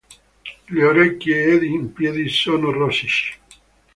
Le orecchie ed i piedi sono rossicci.